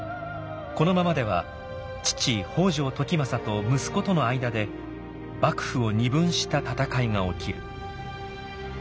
このままでは父北条時政と息子との間で幕府を二分した戦いが起きる。